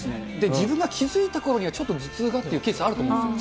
自分が気付いたころにはちょっと頭痛がっていうケースあると思うんですよ。